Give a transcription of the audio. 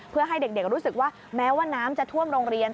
เพื่อให้เด็กรู้สึกว่าแม้ว่าน้ำจะท่วมโรงเรียน